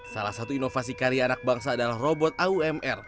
salah satu inovasi karya anak bangsa adalah robot aumr